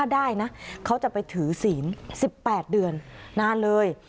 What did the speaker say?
๑๘เดือนนานเลย